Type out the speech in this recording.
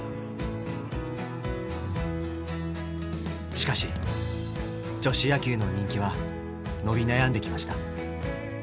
しかし女子野球の人気は伸び悩んできました。